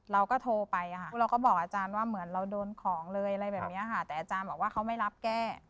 เราก็โทรไปเราก็บอกอาจารย์ว่าเหมือนเราโดนของเลยอะไรแบบนี้ค่ะแต่อาจารย์บอกว่าเขาไม่รับแก้